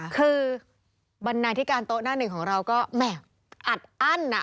คือบรรณาธิการโต๊ะหน้าหนึ่งของเราก็แหม่อัดอั้นอ่ะ